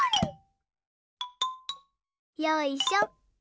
よいしょ。